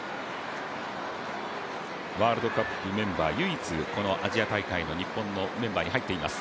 ワールドカップメンバー唯一、アジア大会の日本のメンバーに入っています